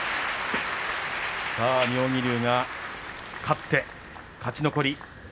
さあ、妙義龍が勝って勝ち残り。